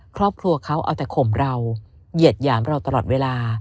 ครอบครัวเขาเอาแต่ข่มเราเหยียดหยามเราตลอดเวลา